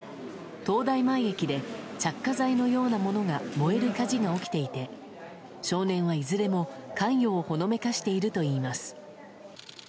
液体がまかれる騒ぎや東大前駅で着火剤のようなものが燃える火事が起きていて少年はいずれも関与をほのめかしているといいます。